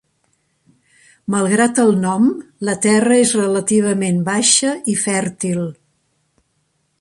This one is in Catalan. Malgrat el nom, la terra és relativament baixa i fèrtil.